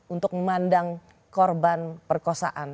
untuk memandang korban perkosaan